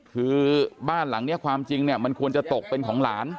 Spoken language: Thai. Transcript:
คือบ้านหลังนี้ความจริงเนี่ยมันควรจะตกเป็นของหลาน